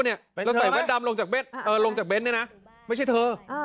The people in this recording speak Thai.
แล้วใส่แวดดำลงจากเบนท์นี่นะไม่ใช่เธอ